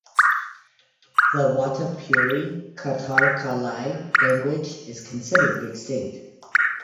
The wotapuri-katarqalai language is considered extinct.